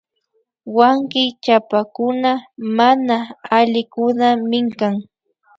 Wanki chapakuna mana alikunaminkan